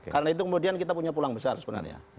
karena itu kemudian kita punya pulang besar sebenarnya